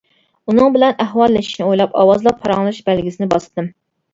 ئۇنىڭ بىلەن ئەھۋاللىشىشنى ئويلاپ ئاۋازلىق پاراڭلىشىش بەلگىسىنى باستىم.